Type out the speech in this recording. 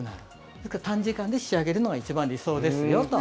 ですから、短時間で仕上げるのが一番理想ですよと。